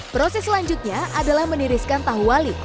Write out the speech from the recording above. proses selanjutnya adalah meniriskan tahu wali